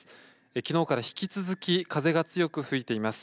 きのうから引き続き風が強く吹いています。